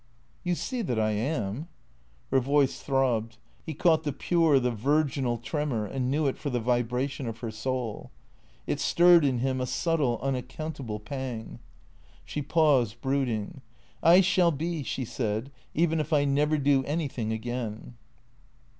" You see that I am." Her voice throbbed. He caught the pure, the virginal, tremor, and knew it for the vibration of her soul. It stirred in him a subtle, unaccountable pang. She paused, brooding. " I shall be," she said, " even, if I never do anything again."